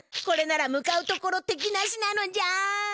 これなら向かうところてきなしなのじゃ！